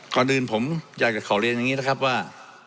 ก่อนอื่นผมอยากจะขอเรียนอย่างนี้นะครับว่า